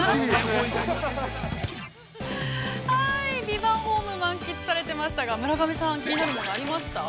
◆ビバホーム満喫されてましたが村上さん気になるものはありました？